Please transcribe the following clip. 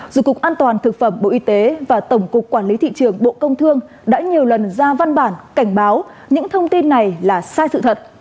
dù cục an toàn thực phẩm bộ y tế và tổng cục quản lý thị trường bộ công thương đã nhiều lần ra văn bản cảnh báo những thông tin này là sai sự thật